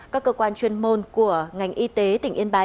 các cơ quan chuyên môn của ngành y tế tỉnh yên bái